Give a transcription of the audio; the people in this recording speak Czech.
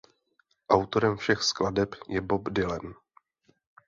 Autorem všech skladeb je Bob Dylan.